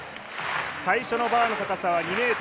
最初のバーの高さは２ｍ１９。